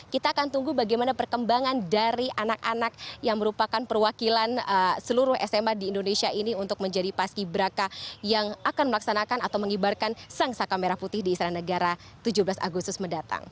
kita akan tunggu bagaimana perkembangan dari anak anak yang merupakan perwakilan seluruh sma di indonesia ini untuk menjadi paski braka yang akan melaksanakan atau mengibarkan sang saka merah putih di istana negara tujuh belas agustus mendatang